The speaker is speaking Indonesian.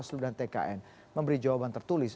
seluruh dan tkn memberi jawaban tertulis